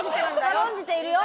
「軽んじているよ」。